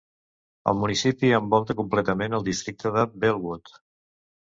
El municipi envolta completament el districte de Bellwood.